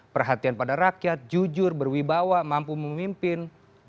perhatian pada rakyat jujur berwibawa mampu memimpin